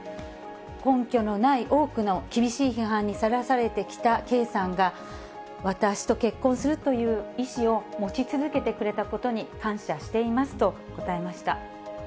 根拠のない多くの厳しい批判にさらされてきた圭さんが、私と結婚するという意思を持ち続けてくれたことに感謝していますと答えました。